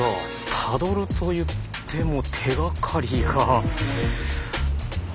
たどると言っても手がかりが。